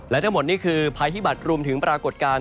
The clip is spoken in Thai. และทั้งหมดนี่คือภัยพิบัตรรวมถึงปรากฏการณ์